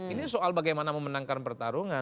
ini soal bagaimana memenangkan pertarungan